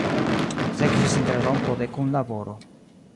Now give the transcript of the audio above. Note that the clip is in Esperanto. Sekvis interrompo de kunlaboro.